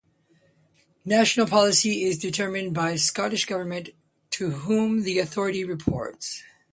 National policy is determined by the Scottish Government, to whom the authority reports.